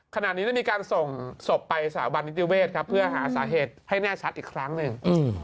ขณะนี้ได้มีการส่งศพไปสถาบันนิติเวศครับเพื่อหาสาเหตุให้แน่ชัดอีกครั้งหนึ่ง